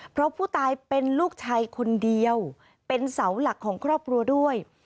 เพราะผู้ตายเป็นลูกชายคนเดียวเป็นเสาหลักของครอบครัวด้วย